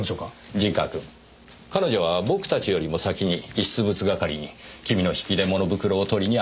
陣川君彼女は僕たちよりも先に遺失物係にキミの引き出物袋を取りに現れています。